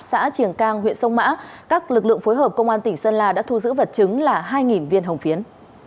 xã triềng cang huyện sông mã các lực lượng phối hợp công an tỉnh sơn la đã thu giữ vật chứng là hai viên hồng phiến